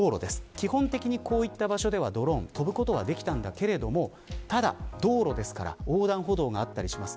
基本的にこういった場所でドローンは飛ぶことはできましたがただ道路なので横断歩道があったりします。